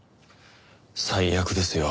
最悪ですよ。